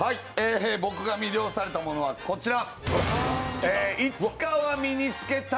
僕が魅了されたものはこちら。